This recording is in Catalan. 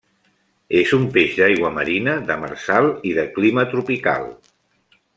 És un peix d'aigua marina, demersal i de clima tropical.